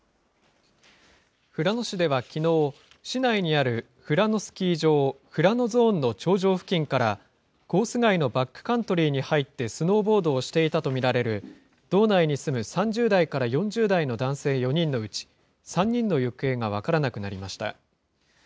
富良野市ではきのう、市内にある富良野スキー場富良野ＺＯＮＥの頂上付近からコース外のバックカントリーに入って、スノーボードをしていたと見られる、道内に住む３０代から４０代の男性４人のうち３人の行方が分からなくなりました。